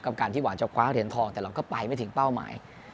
การที่หวังจะคว้าเหรียญทองแต่เราก็ไปไม่ถึงเป้าหมาย